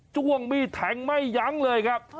้วงมีดแทงไม่ยั้งเลยครับ